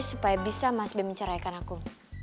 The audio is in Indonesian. supaya bisa mas be menceraikan aku